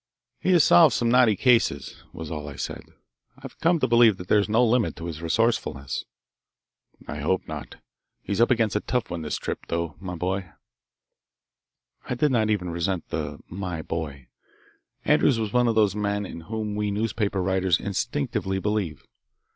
"He has solved some knotty cases," was all I said. "I've come to believe there is no limit to his resourcefulness." "I hope not. He's up against a tough one this trip, though, my boy." I did not even resent the "my boy." Andrews was one of those men in whom we newspaper writers instinctively believe.